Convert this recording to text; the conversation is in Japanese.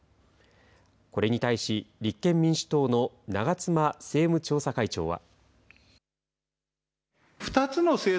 これに対し、立憲民主党の長妻政務調査会長は。